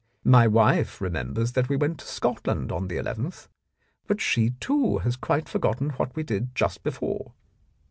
My wife remembers that we went to Scotland on the nth, but she, too, has quite forgotten what we did just before.